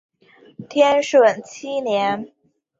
天顺七年。